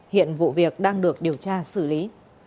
hiện vụ việc đang được điều tra xử lý